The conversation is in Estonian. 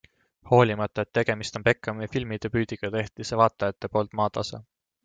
Hoolimata, et tegemist on Bechami filmidebüüdiga, tehti see vaatajate poolt maatasa.